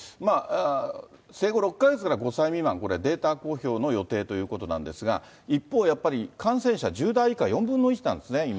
生後６か月から５歳未満、データ公表の予定ということなんですが、一方、やっぱり感染者、１０代以下、４分の１なんですね、今。